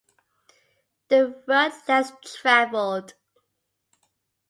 The road less traveled.